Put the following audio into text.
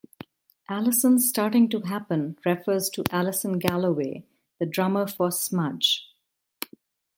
"Alison's Starting to Happen" refers to Alison Galloway, the drummer for Smudge.